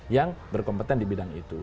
yang berkompeten di bidang itu